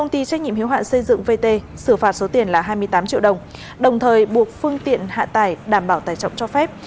tài xế xử phạt số tiền là hai mươi tám triệu đồng đồng thời buộc phương tiện hạ tài đảm bảo tài trọng cho phép